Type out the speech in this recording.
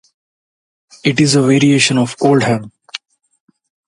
It is a variation of Oldham.